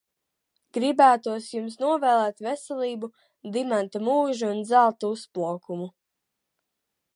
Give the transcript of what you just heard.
Gribētos jums novēlēt veselību, dimanta mūžu un zelta uzplaukumu.